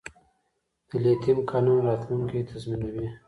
د لیتیم کانونه راتلونکی تضمینوي